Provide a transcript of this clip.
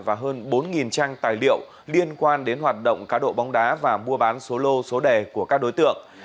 và hơn bốn trang tài liệu liên quan đến hoạt động cá độ bóng đá và mua bán số lô số đề của các đối tượng